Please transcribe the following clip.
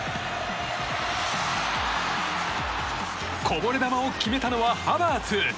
こぼれ球を決めたのはハバーツ。